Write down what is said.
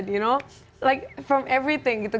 dari segala hal